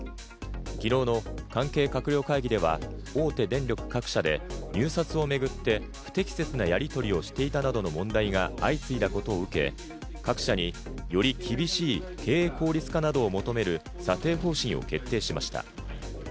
きのうの関係閣僚会議では、大手電力各社で入札を巡って不適切なやり取りをしていたなどの問題が相次いだことを受け、各社に、より厳しい経営効率化などを求める査定方針を決定しました。